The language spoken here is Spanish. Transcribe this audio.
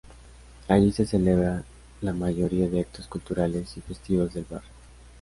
Allí se celebran la mayoría de actos culturales y festivos del barrio.